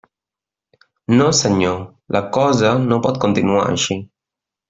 No senyor; la cosa no pot continuar així.